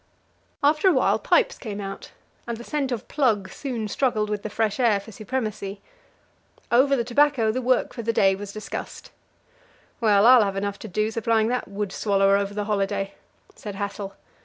After a while pipes came out, and the scent of "plug" soon struggled with the fresh air for supremacy. Over the tobacco the work for the day was discussed. "Well, I'll have enough to do supplying that woodswallower over the holiday," said Hassel.